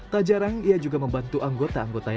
tak jarang ia juga membantu anggota anggotanya